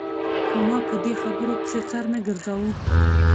خو ما په دې خبرو پسې سر نه ګرځاوه.